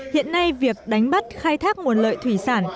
hiện nay việc đánh bắt khai thác nguồn lợi thủy sản